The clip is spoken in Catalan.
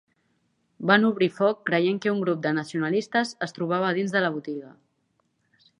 Van obrir foc creient que un grup de nacionalistes es trobava dins de la botiga.